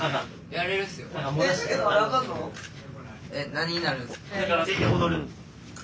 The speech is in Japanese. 何になるんすか？